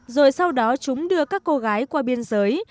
rồi sau đó chúng đưa các cô gái qua biên giới